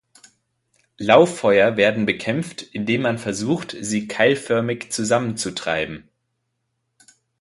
Lauffeuer werden bekämpft, indem man versucht, sie keilförmig zusammen zu treiben.